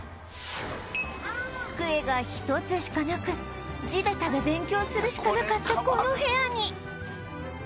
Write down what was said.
机が１つしかなく地べたで勉強するしかなかったこの部屋に